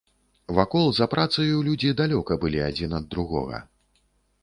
Вакол, за працаю людзі далёка былі адзін ад другога.